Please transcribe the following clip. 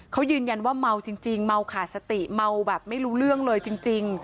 เขายืนยันว่าเมาจริงเมาขาดสติเมาแบบไม่รู้เรื่องเลยจริง